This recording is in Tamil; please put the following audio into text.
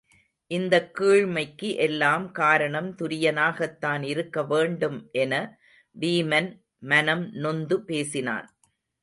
இந்தக் கீழ்மைக்கு எல்லாம் காரணம் துரியனாகத்தான் இருக்க வேண்டும் என வீமன் மனம் நொந்து பேசினான்.